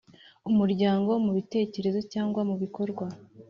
Umuryango mu bitekerezo cyangwa mu bikorwa